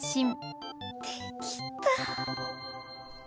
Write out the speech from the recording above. できた！